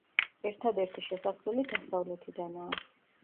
ერთადერთი შესასვლელი დასავლეთიდანაა.